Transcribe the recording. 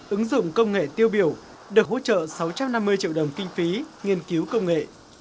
ứng dụng công nghệ tiêu biểu được hỗ trợ sáu trăm năm mươi triệu đồng kinh phí nghiên cứu công nghệ